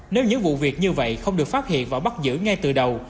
nếu những vụ việc như vậy không được phát hiện và bắt giữ ngay từ đầu